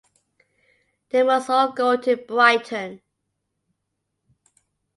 They must all go to Brighton.